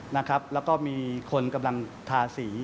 แล้วก็มีคนกำลังทาสี